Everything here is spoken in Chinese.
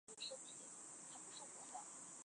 每个自治区进一步划分为分区。